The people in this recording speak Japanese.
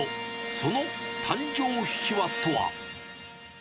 その誕生秘話とは。